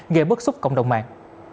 gây bất xúc cộng đồng mạng